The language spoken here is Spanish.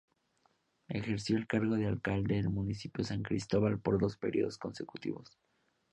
Ejerció el cargo de alcalde del Municipio San Cristóbal por dos períodos consecutivos.